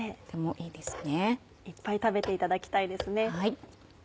いっぱい食べていただきたいですね。